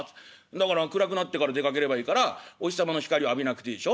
「だから暗くなってから出かければいいからお日様の光を浴びなくていいでしょ？